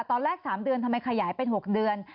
ตอนแรก๓เดือนทำไมขยายเป็น๖เดือน